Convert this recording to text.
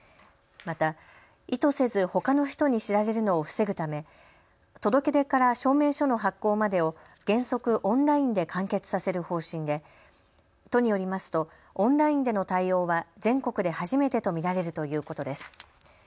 また意図せずほかの人に知られるのを防ぐため届け出から証明書の発行までを原則オンラインで完結させる方針で都によりますとオンラインでの対応は全国で初めてと見られるということです。